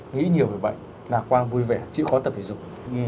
nghĩ nhiều về bệnh lạc quang vui vẻ chịu khó tập thể dục